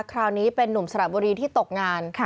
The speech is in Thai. คราวนี้เป็นนุ่มสระบุรีที่ตกงาน